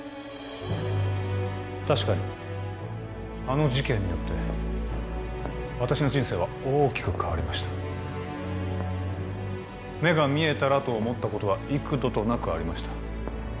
確かにあの事件によって私の人生は大きく変わりました目が見えたらと思ったことは幾度となくありました